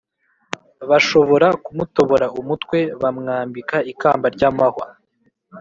bashobora kumutobora umutwe bamwambika ikamba ry’amahwa